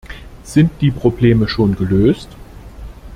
Sind die Probleme schon gelöst?